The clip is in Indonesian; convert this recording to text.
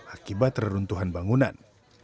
akibat reruntuhan bangunan